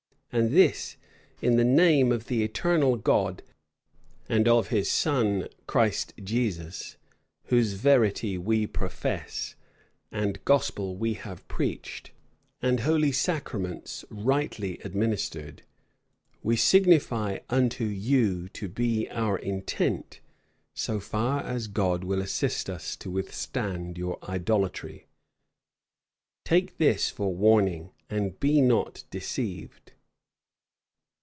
And this, in the name of the eternal God, and of his Son Christ Jesus, whose verity we profess, and gospel we have preached, and holy sacraments rightly administered, we signify unto you to be our intent, so far as God will assist us to withstand your idolatry. Take this for warning, and be not deceived."